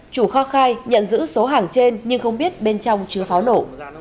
chủ kho khai nhận giữ số hàng trên nhưng không biết bên trong chứa pháo nổ